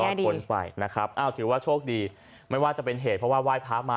พ้นไปนะครับอ้าวถือว่าโชคดีไม่ว่าจะเป็นเหตุเพราะว่าไหว้พระมา